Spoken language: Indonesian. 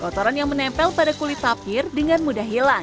kotoran yang menempel pada kulit tapir dengan mudah hilang